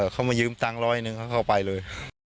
เขามายืมตังค์ร้อยหนึ่งเขาเข้าไปเลย